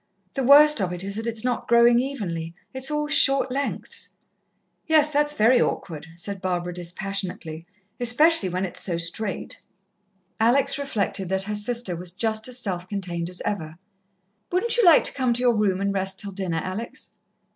The worst of it is that it's not growing evenly, it's all short lengths." "Yes. That's very awkward," said Barbara dispassionately. "Especially when it's so straight." Alex reflected that her sister was just as self contained as ever. "Wouldn't you like to come to your room and rest till dinner, Alex?"